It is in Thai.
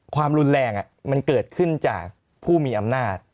ความรุนแรงมันเกิดขึ้นจากผู้มีอำนาจ